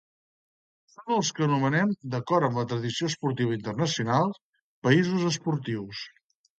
Són els que anomenem, d'acord amb la tradició esportiva internacional, països esportius.